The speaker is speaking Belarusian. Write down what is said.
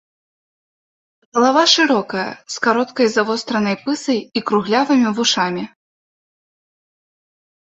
Галава шырокая з кароткай завостранай пысай і круглявымі вушамі.